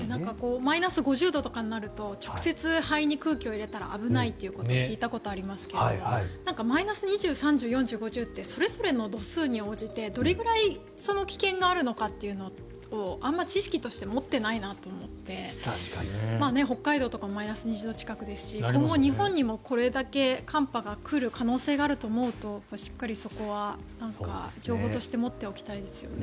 マイナス５０度とかになると直接、肺に空気を入れたら危ないということを聞いたことがありますけどマイナス２０、３０４０、５０ってそれぞれの度数に応じてどれくらいの危険があるのかっていうのをあんまり知識として持っていないなと思って北海道とかマイナス２０度近くですし今後、日本にもこれだけ寒波が来る可能性があると思うと情報として持っておきたいですよね。